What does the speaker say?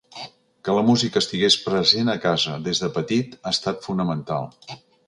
Que la música estigués present a casa des de petit ha estat fonamental.